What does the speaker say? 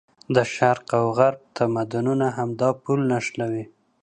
د شرق او غرب تمدونونه همدا پل نښلوي.